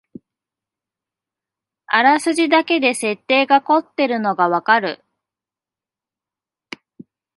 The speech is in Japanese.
あらすじだけで設定がこってるのがわかる